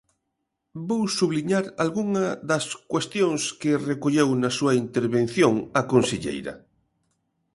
Vou subliñar algunha das cuestións que recolleu na súa intervención a conselleira.